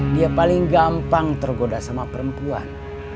dia paling gampang tergoda sama perempuan